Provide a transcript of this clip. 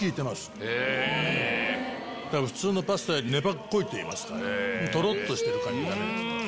普通のパスタより粘っこいといいますかトロっとしてる感じだね。